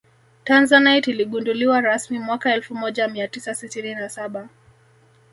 tanzanite iligunduliwa rasmi mwaka elfu moja mia tisa sitini na saba